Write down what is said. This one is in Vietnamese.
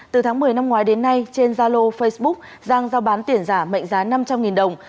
từ tháng một mươi năm ngoái đến nay trên gia lô facebook giang giao bán tiền giả mệnh giá năm trăm linh đồng